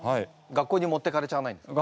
学校に持ってかれちゃわないんですか？